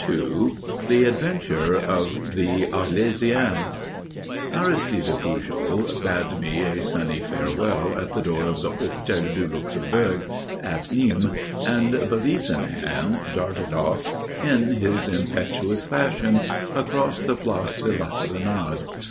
II THE ADVENTURE OF THE ARLÉSIENNE Aristide Pujol bade me a sunny farewell at the door of the Hôtel du Luxembourg at Nîmes, and, valise in hand, darted off, in his impetuous fashion, across the Place de l'Esplanade.